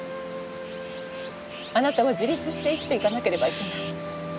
あなたは自立して生きていかなければいけない。